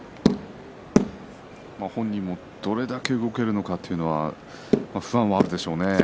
本人もどれだけ動けるのかというのは不安があるでしょうね。